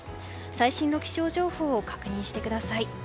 最新の気象情報を確認してください。